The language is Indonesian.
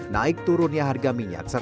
naik turunnya harga minyak